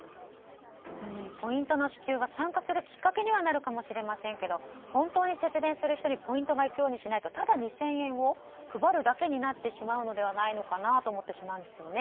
ポイントの支給が参加するきっかけにはなるかもしれませんが本当に節電する人にポイントがいくようにしないとただ２０００円を配るだけになってしまうのではないかなと思ってしまうんですよね。